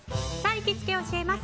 行きつけ教えます！